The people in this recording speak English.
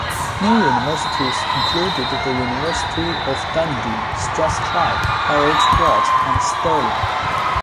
New universities included the University of Dundee, Strathclyde, Heriot-Watt, and Stirling.